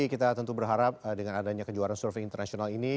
kita tentu berharap dengan adanya kejuaraan surfing internasional ini